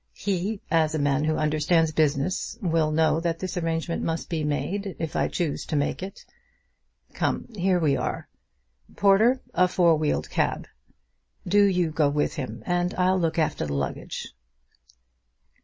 He, as a man who understands business, will know that this arrangement must be made, if I choose to make it. Come; here we are. Porter, a four wheeled cab. Do you go with him, and I'll look after the luggage."